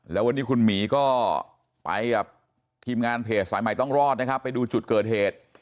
แล้ววันนี้คุณหมีก็ไปกับทีมงานเพจสายใหม่ต้องรอดนะครับไปดูจุดเกิดเหตุ